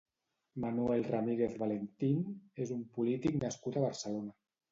Manuel Ramírez Valentín és un polític nascut a Barcelona.